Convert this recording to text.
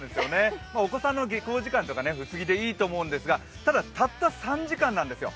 お子さんの下校時間とか薄着でいいと思うんですがただ、たった３時間なんですよ。